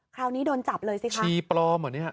คราวนี้โดนจับเลยสิคะชีปลอมเหรอเนี่ยฮะ